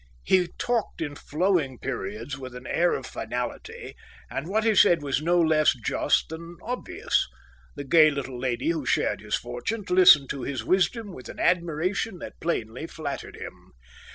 He talked in flowing periods with an air of finality, and what he said was no less just than obvious. The gay little lady who shared his fortunes listened to his wisdom with an admiration that plainly flattered him.